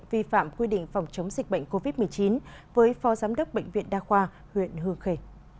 vi phạm quy định phòng chống dịch bệnh covid một mươi chín với phó giám đốc bệnh viện đa khoa huyện hương khề